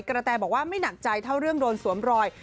แตบอกว่าไม่หนักใจเท่าเรื่องโดนสวมรอย